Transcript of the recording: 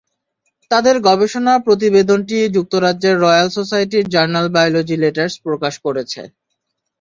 তাঁদের গবেষণা প্রতিবেদনটি যুক্তরাজ্যের রয়্যাল সোসাইটির জার্নাল বায়োলজি লেটার্স প্রকাশ করেছে।